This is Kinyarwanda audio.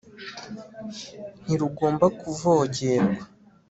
ntirugomba kuvogerwa